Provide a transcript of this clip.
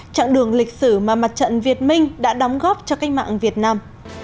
trạng đường lịch sử mà mặt trận việt minh đã đóng góp cho cách mạng việt nam